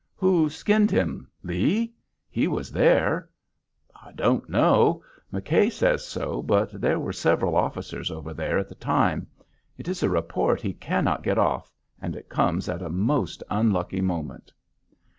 "Who 'skinned' him? Lee? He was there." "I don't know; McKay says so, but there were several officers over there at the time. It is a report he cannot get off, and it comes at a most unlucky moment."